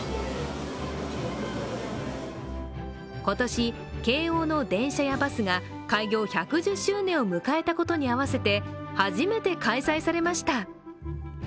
今年、京王の電車やバスが開業１１０周年を迎えたことに合わせて初めて開催されました。